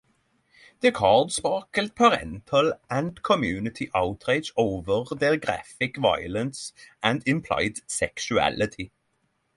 The cards sparked parental and community outrage over their graphic violence and implied sexuality.